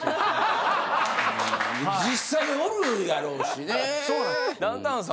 実際おるやろうしね。